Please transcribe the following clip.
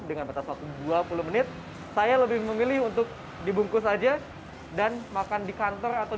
dengan batas waktu dua puluh menit saya lebih memilih untuk dibungkus aja dan makan di kantor atau